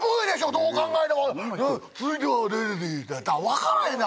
どう考えても続いてはって分からへんねん